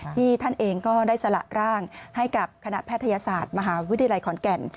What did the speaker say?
ท่านเองก็ได้สละร่างให้กับคณะแพทยศาสตร์มหาวิทยาลัยขอนแก่น